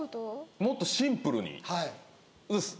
もっとシンプルに？